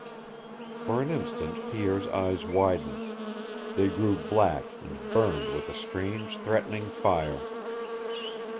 For an instant Pierre's eyes widened. They grew black, and burned with a strange, threatening fire.